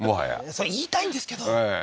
それ言いたいんですけどええ